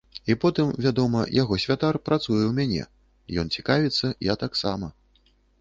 І потым, вядома, яго святар працуе ў мяне, ён цікавіцца, я таксама.